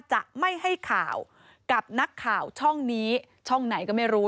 จะไม่ให้ข่าวกับนักข่าวช่องนี้ช่องไหนก็ไม่รู้